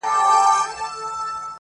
• چېرته به د سوي میني زور وینو -